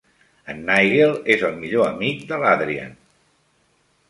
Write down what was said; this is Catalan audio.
En Nigel és el millor amic de l"Adrian.